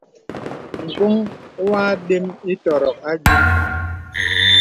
Ǹgɔ̄ŋ wɔ àdəm ìtɔ̀rɔ̀k ayìì.